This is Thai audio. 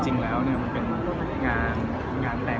จริงแล้วมันเป็นงานแรง